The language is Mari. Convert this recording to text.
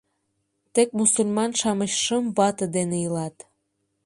Тек мусульман-шамыч шым вате дене илат.